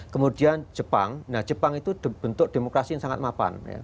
kemudian jepang nah jepang itu bentuk demokrasi yang sangat mapan